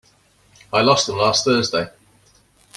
I lost them last Thursday.